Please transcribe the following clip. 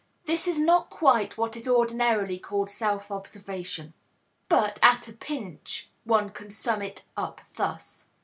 This is not quite what is ordinarily called self observation, but, at a pinch, one can sum it up thus.